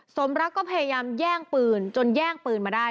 สมรักก็พยายามแย่งปืนจนแย่งปืนมาได้